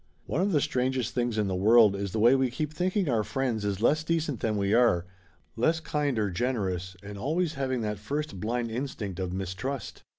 One of the strangest things in the world is the way we keep thinking our friends is less decent than we are ; less kind or generous, and always having that first blind instinct of mistrust.